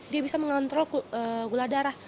dia bisa mengontrol gula darah